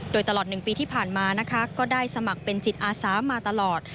โดยตลอด๑ปีที่ผ่านมานะคะก็ได้สมัครเป็นจิตอาสามาตลอด